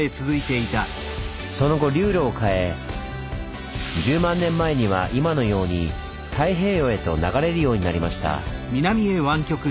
その後流路を変え１０万年前には今のように太平洋へと流れるようになりました。